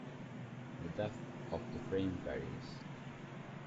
The depth of the frame varies.